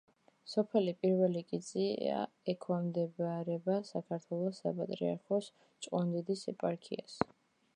სოფელი პირველი კიწია ექვემდებარება საქართველოს საპატრიარქოს ჭყონდიდის ეპარქიას.